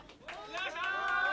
・・よいしょ！